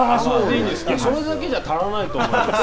それだけじゃ足らないと思います。